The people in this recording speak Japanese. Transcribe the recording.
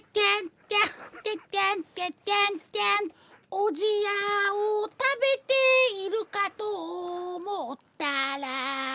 「おじやを食べているかと思ったら」